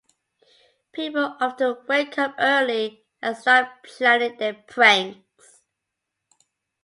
People often wake up early and start planning their pranks.